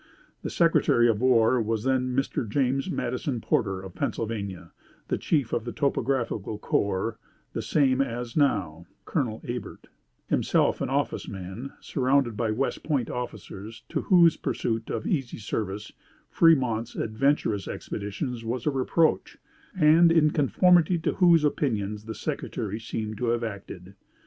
The Secretary of War was then Mr. James Madison Porter, of Pennsylvania; the chief of the topographical corps the same as now (Colonel Abert), himself an office man, surrounded by West Point officers, to whose pursuit of easy service, Fremont's adventurous expeditions was a reproach; and in conformity to whose opinions the secretary seemed to have acted.